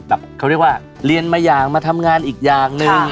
เขาเรียกว่าเรียนมาอย่างมาทำงานอีกอย่างหนึ่ง